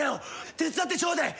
手伝ってちょうでえ。